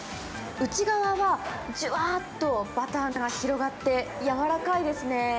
内側はじゅわっとバターが広がって、やわらかいですね。